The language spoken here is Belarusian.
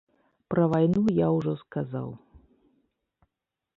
Пра вайну я ўжо сказаў.